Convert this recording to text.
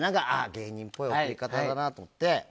芸人っぽい送り方だなと思って。